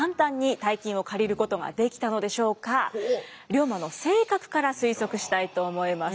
龍馬の性格から推測したいと思います。